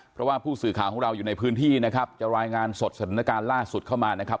เพราะว่าผู้สื่อข่าวของเราอยู่ในพื้นที่นะครับจะรายงานสดสถานการณ์ล่าสุดเข้ามานะครับ